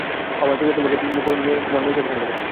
আমার ছেলে তোমার মেয়েকে পছন্দ করে।